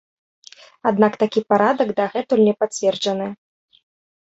Аднак такі парадак дагэтуль не пацверджаны.